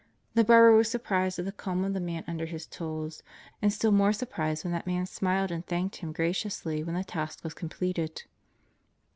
The barber was surprised at the calm of the man under his tools, and still more surprised when that man smiled and thanked him graciously when the task was completed.